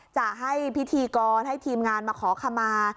จะให้พิธีกรให้ทีมงานมาขอขมา